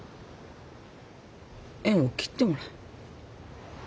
縁を切ってもらう。